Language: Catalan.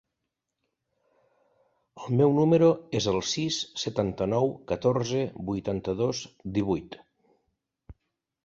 El meu número es el sis, setanta-nou, catorze, vuitanta-dos, divuit.